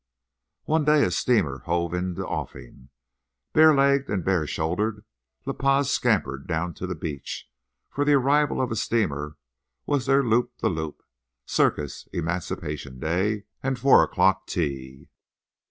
One day a steamer hove in the offing. Bare legged and bare shouldered La Paz scampered down to the beach, for the arrival of a steamer was their loop the loop, circus, Emancipation Day and four o'clock tea.